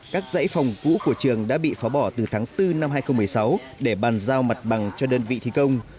các dãy phòng cũ của trường đã bị phá bỏ từ tháng bốn năm hai nghìn một mươi sáu để bàn giao mặt bằng cho đơn vị thi công